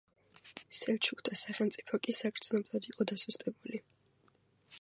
სელჩუკთა სახელმწიფო კი საგრძნობლად იყო დასუსტებული.